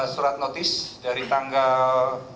surat notice dari tanggal